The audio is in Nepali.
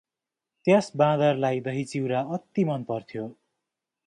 त्यस बाँदरलाई दही चिउरा अति मन पथ्र्याे ।